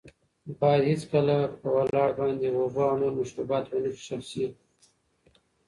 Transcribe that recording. باید هېڅکله په ولاړه باندې اوبه او نور مشروبات ونه څښل شي.